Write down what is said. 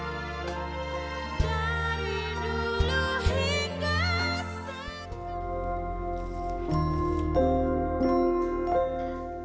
dari dulu hingga sekarang